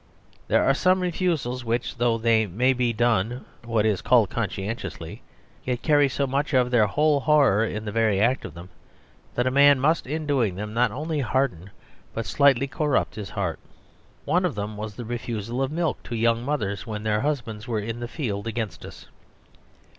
There are some refusals which, though they may be done what is called conscientiously, yet carry so much of their whole horror in the very act of them, that a man must in doing them not only harden but slightly corrupt his heart. One of them was the refusal of milk to young mothers when their husbands were in the field against us.